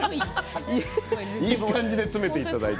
いい感じに詰めていただいて。